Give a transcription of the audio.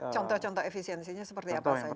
contoh contoh efisiensinya seperti apa saja